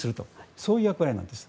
そういう役割なんです。